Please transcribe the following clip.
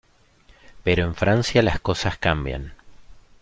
Pero en Francia, las cosas cambian.